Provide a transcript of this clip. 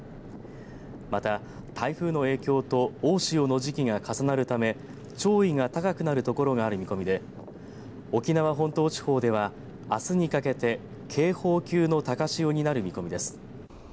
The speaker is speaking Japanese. また、台風の影響と大潮の時期が重なるため潮位が高くなるところがある見込みで沖縄本島地方ではあすにかけて警報級の高潮になる見込みです。